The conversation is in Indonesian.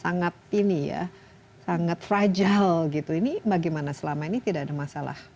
sangat ini ya sangat fragile gitu ini bagaimana selama ini tidak ada masalah